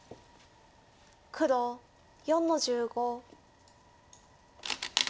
黒４の十五。